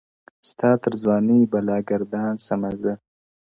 o ستا تر ځوانۍ بلا گردان سمه زه،